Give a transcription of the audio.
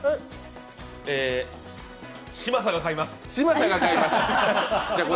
えー、嶋佐が買います。